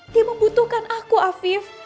dia membutuhkan aku afif